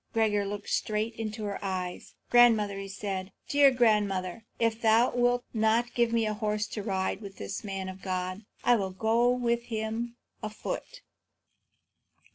Gregor looked straight into her eyes. "Grandmother," said he, "dear grandmother, if thou wilt not give me a horse to ride with this man of God, I will go with him afoot."